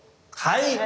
はい。